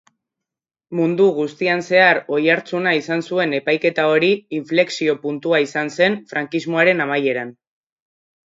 Mundu guztian zehar oihartzuna izan zuen epaiketa hori inflexio-puntua izan zen frankismoaren amaieran.